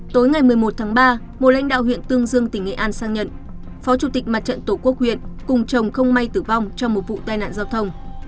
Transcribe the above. tối ngày một mươi một tháng ba một lãnh đạo huyện tương dương tỉnh nghệ an sang nhận phó chủ tịch mặt trận tổ quốc huyện cùng chồng không may tử vong trong một vụ tai nạn giao thông